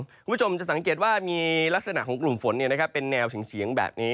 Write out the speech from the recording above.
คุณผู้ชมจะสังเกตว่ามีลักษณะของกลุ่มฝนเป็นแนวเฉียงแบบนี้